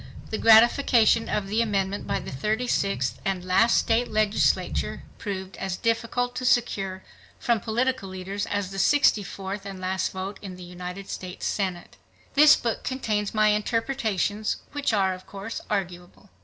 The ratification of the amendment by the 36th and last state legislature proved as difficult to secure from political leaders as the 64th and last vote in the United States Senate. This book contains my interpretations, which are of course arguable.